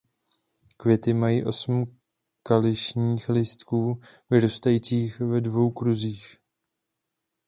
Květy mají osm kališních lístků vyrůstajících ve dvou kruzích.